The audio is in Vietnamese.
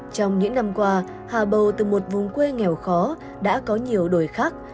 trong những năm qua hà bầu từ một vùng quê nghèo khó đã có nhiều đổi khác